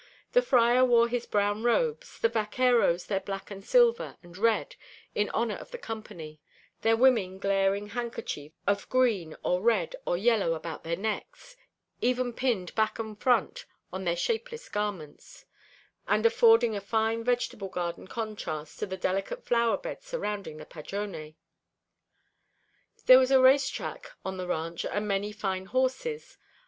The friar wore his brown robes, the vaqueros their black and silver and red in honor of the company, their women glaring handkerchiefs of green or red or yellow about their necks, even pinned back and front on their shapeless garments; and affording a fine vegetable garden contrast to the delicate flower bed surrounding the padrone. There was a race track on the ranch and many fine horses.